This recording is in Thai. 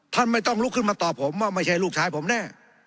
ท่านไม่ต้องลุกขึ้นมาตอบผมว่าไม่ใช่ลูกชายผมแน่